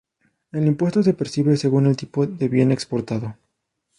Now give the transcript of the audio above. El impuesto se percibe según el tipo de bien exportado.